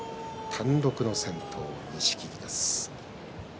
単独の先頭、錦木です。